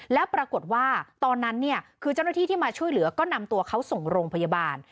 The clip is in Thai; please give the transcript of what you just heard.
แล้วปรากฏว่าตอนนั้นเนี่ยคือเจ้าหน้าที่ที่มาช่วยเหลือก็นำตัวเขาส่งโรงพยาบาล